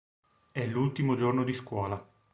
È l'ultimo giorno di scuola.